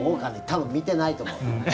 多分見てないと思う。